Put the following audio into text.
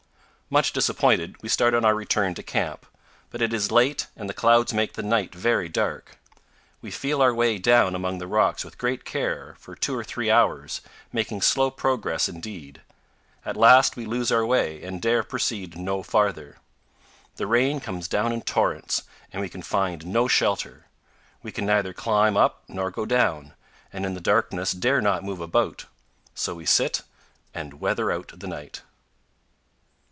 Much disappointed, we start on our return to camp, but it is late and the clouds make the night very dark. We feel our way down among the rocks with great care for two or three hours, making slow progress indeed. At last we lose our way and dare proceed no farther. The rain comes down in torrents and we can find no shelter. We can neither climb up nor go down, and in the darkness dare not move about; so we sit and "weather out" the night.